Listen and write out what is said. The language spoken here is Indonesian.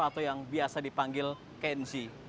atau yang biasa dipanggil kenzi